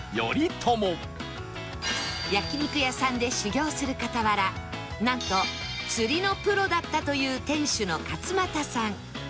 焼肉屋さんで修業する傍らなんと釣りのプロだったという店主の勝俣さん